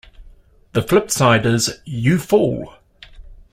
The flip side is "You Fool".